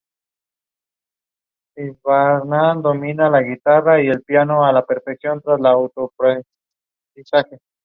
Frecuentemente interpretó papeles como miembro de la clase trabajadora.